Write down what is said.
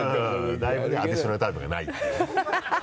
だいぶねアディショナルタイムがないっていうね。